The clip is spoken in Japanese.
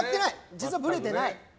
実はぶれてない。